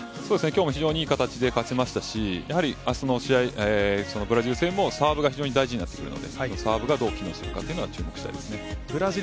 今日も非常にいい形で勝ちましたしブラジル戦も、サーブが非常に大事になってくるのでサーブをどう決めるかに注目したいと思います。